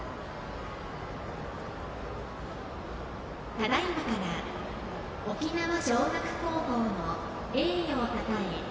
ただいまから沖縄尚学高校の栄誉をたたえ